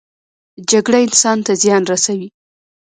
جګړه انسان ته زیان رسوي